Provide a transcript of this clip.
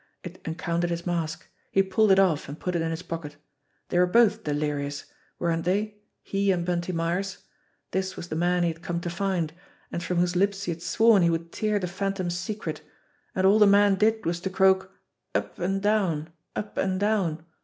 It encountered his mask. He pulled it off and put it In his pocket. They were both delirious, weren't THE BLACK BOX 253 they he and Bunty Myers ? This was the man he had come to find, and from whose lips he had sworn he would tear the Phantom's secret, and all the man did was to croak, "Up and down, up and down